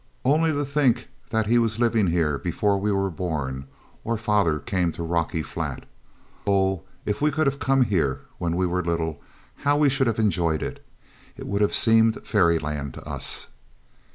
'Only to think that he was living here before we were born, or father came to Rocky Flat. Oh! if we could have come here when we were little how we should have enjoyed it! It would have seemed fairyland to us.'